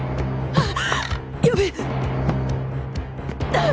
あっ！